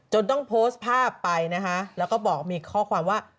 ต้องโพสต์ภาพไปนะคะแล้วก็บอกมีข้อความว่า